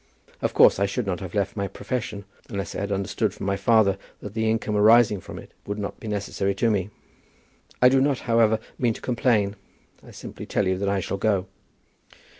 Of course I should not have left my profession, unless I had understood from my father that the income arising from it would not be necessary to me. I do not, however, mean to complain, but simply tell you that I shall go."